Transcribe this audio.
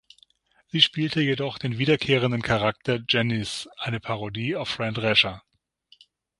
Sie spielte jedoch den wiederkehrenden Charakter Janice, eine Parodie auf Fran Drescher.